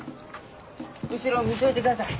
後ろ見ちょいてください。